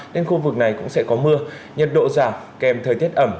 nên khu vực này cũng sẽ có mưa nhiệt độ giảm kèm thời tiết ẩm